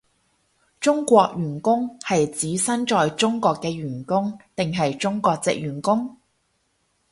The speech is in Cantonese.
中國員工係指身在中國嘅員工定係中國藉員工？